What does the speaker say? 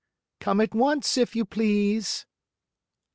Come at once, if you please!"